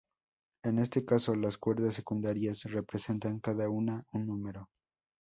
En este caso, las cuerdas secundarias representan, cada una, un número.